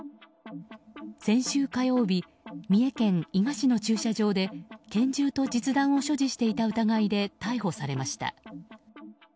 先週火曜日三重県伊賀市の駐車場で拳銃と実弾を所持していた疑いで逮捕されました。